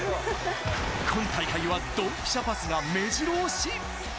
今大会はドンピシャパスがめじろ押し！